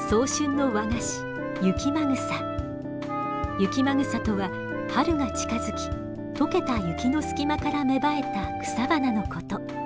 雪間草とは春が近づき解けた雪の隙間から芽生えた草花のこと。